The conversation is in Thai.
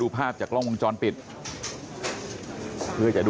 ลูกสาวหลายครั้งแล้วว่าไม่ได้คุยกับแจ๊บเลยลองฟังนะคะ